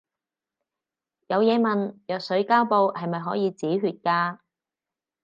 有嘢問，藥水膠布係咪可以止血㗎